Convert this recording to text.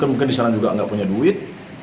mungkin disana juga nggak punya duit